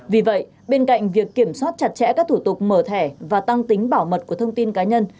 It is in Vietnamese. vì vậy bên cạnh việc kiểm soát chặt chẽ các thủ tục mở thẻ và tăng tính bảo mật của thông tin cá nhân